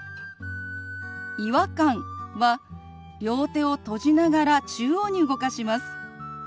「違和感」は両手を閉じながら中央に動かします。